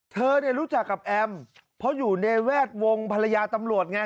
เธอเนี่ยรู้จักกับแอมเพราะอยู่ในแวดวงภรรยาตำรวจไง